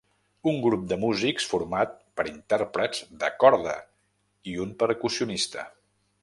Un grup de músics format per intèrprets de corda i un percussionista.